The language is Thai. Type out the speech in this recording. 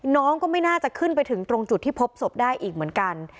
น้องก็ไม่น่าจะขึ้นไปถึงตรงจุดที่พบศพได้อีกเหมือนกัน